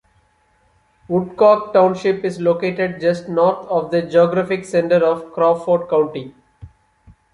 Woodcock Township is located just north of the geographic center of Crawford County.